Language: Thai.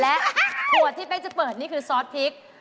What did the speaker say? และขวดที่เป็นคือซอสพริก